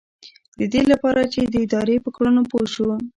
ددې لپاره چې د ادارې په کړنو پوه شو.